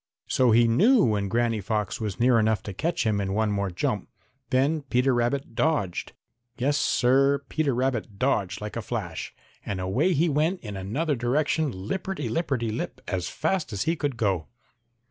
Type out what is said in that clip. So he knew when Granny Fox was near enough to catch him in one more jump. Then Peter Rabbit dodged. Yes, Sir, Peter Rabbit dodged like a flash, and away he went in another direction lipperty lipperty lip, as fast as he could go.